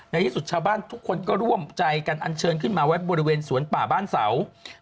ในที่สุดชาวบ้านทุกคนก็ร่วมใจกันอันเชิญขึ้นมาไว้บริเวณสวนป่าบ้านเสา